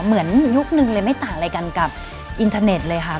ยุคนึงเลยไม่ต่างอะไรกันกับอินเทอร์เน็ตเลยค่ะ